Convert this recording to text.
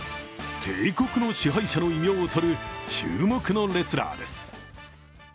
帝国の支配者の異名をとる注目のレスラーです。